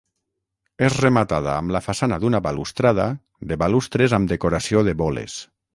És rematada amb la façana d'una balustrada de balustres amb decoració de boles.